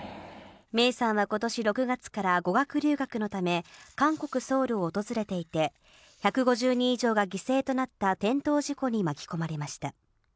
芽生さんはことし６月から語学留学のため、韓国・ソウルを訪れていて、１５０人以上が犠牲となった転倒事故に巻き込まれました。